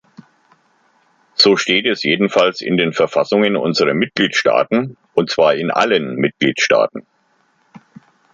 So steht es jedenfalls in den Verfassungen unserer Mitgliedstaaten, und zwar in allen Mitgliedstaaten.